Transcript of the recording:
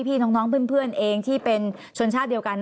พี่น้องเพื่อนเองที่เป็นชนชาติเดียวกัน